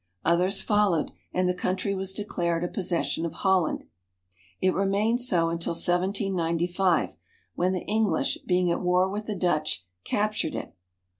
Others fol 321 ^H ^ lowed, and the country was declared a possession of J Holland. It remained so until 1795, when the English,' being at war with the Dutch, captured it.